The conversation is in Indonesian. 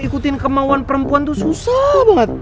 ikutin kemauan perempuan tuh susah banget